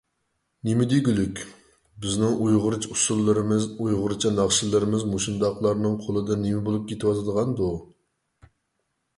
نېمە دېگۈلۈك؟ بىزنىڭ ئۇيغۇرچە ئۇسسۇللىرىمىز، ئۇيغۇرچە ناخشىلىرىمىز مۇشۇنداقلارنىڭ قولىدا نېمە بولۇپ كېتىۋاتىدىغاندۇ؟